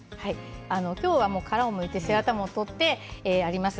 今日は殻をむいて背わたを取ってあります。